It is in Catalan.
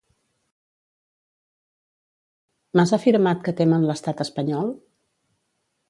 Mas ha afirmat que temen l'estat espanyol?